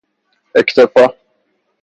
اکتفاء